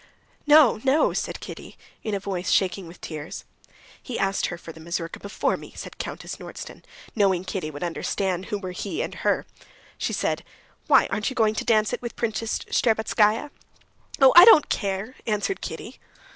"No, no," said Kitty in a voice shaking with tears. "He asked her for the mazurka before me," said Countess Nordston, knowing Kitty would understand who were "he" and "her." "She said: 'Why, aren't you going to dance it with Princess Shtcherbatskaya?'" "Oh, I don't care!" answered Kitty.